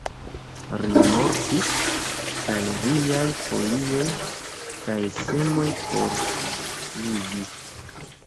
Ri mortis, kaj riaj folioj kaj semoj forflugis.